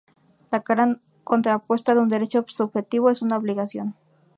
La cara contrapuesta de un derecho subjetivo, es una obligación.